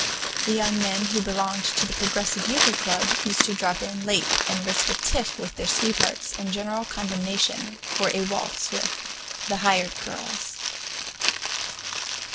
The young men who belonged to the Progressive Euchre Club used to drop in late and risk a tiff with their sweethearts and general condemnation for a waltz with "the hired girls."